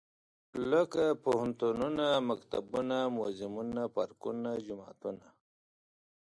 لکه پوهنتونه ، مکتبونه موزيمونه، پارکونه ، جوماتونه.